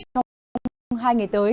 trong hai ngày tới